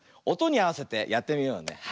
おとにあわせてやってみようね。